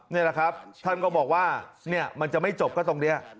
นี่แหละครับท่านก็บอกว่ามันจะไม่จบก็ตรงนี้